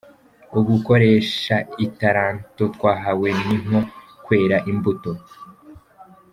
Ugukoresha Italanto twahawe nikwo kwera imbuto.